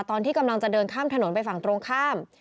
ตอนที่กำลังจะเดินข้ามถนนไปฝั่งตรงข้าม